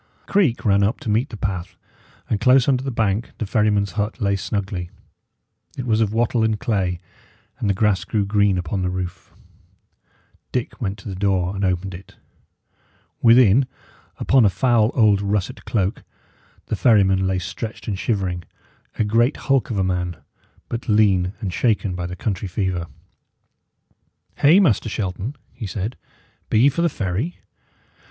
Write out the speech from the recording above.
A creek ran up to meet the path, and close under the bank the ferryman's hut lay snugly. It was of wattle and clay, and the grass grew green upon the roof. Dick went to the door and opened it. Within, upon a foul old russet cloak, the ferryman lay stretched and shivering; a great hulk of a man, but lean and shaken by the country fever. "Hey, Master Shelton," he said, "be ye for the ferry?